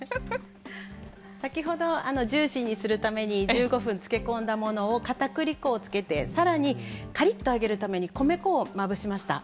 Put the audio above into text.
先ほどジューシーにするために１５分漬け込んだものをかたくり粉をつけて更にカリッと揚げるために米粉をまぶしました。